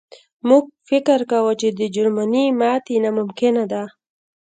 موږ فکر کاوه چې د جرمني ماتې ناممکنه ده